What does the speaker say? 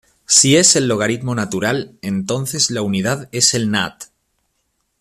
Si es el logaritmo natural, entonces la unidad es el nat.